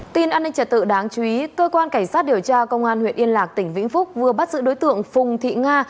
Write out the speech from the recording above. tin an ninh trật tự đáng chú ý cơ quan cảnh sát điều tra công an huyện yên lạc tỉnh vĩnh phúc vừa bắt giữ đối tượng phùng thị nga